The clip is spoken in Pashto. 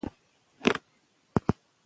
موږ به نوی راپور ولیکو.